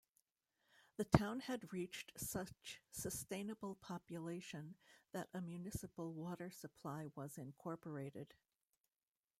The town had reached such sustainable population that a municipal water supply was incorporated.